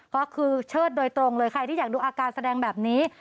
ก็คือเชิดโดยตรงเลยใครที่อยากดูอาการแสดงแบบนี้